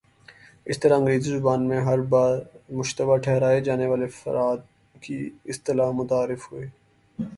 اس طرح انگریزی زبان میں ''ہر بار مشتبہ ٹھہرائے جانے والے افراد "کی اصطلاح متعارف ہوئی۔